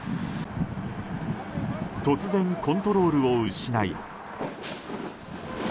突然、コントロールを失い。